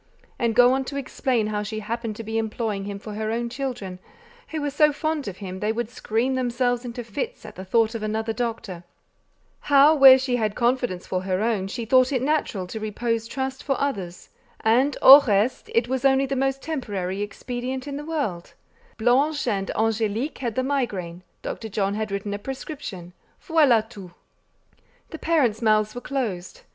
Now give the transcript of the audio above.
and go on to explain how she happened to be employing him for her own children, who were so fond of him they would scream themselves into fits at the thought of another doctor; how, where she had confidence for her own, she thought it natural to repose trust for others, and au reste, it was only the most temporary expedient in the world; Blanche and Angélique had the migraine; Dr. John had written a prescription; voilà tout! The parents' mouths were closed.